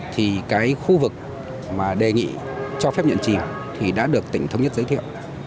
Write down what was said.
thì khu vực đề nghị cho phép nhận chìm đã được tỉnh thống nhất giới thiệu